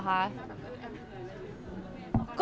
มีอากาศของคุณค่ะ